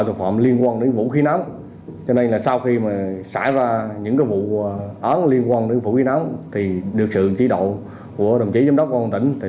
sau khi xảy ra những vụ án liên quan đến vụ khí nóng được sự chỉ đạo của đồng chí giám đốc công an tỉnh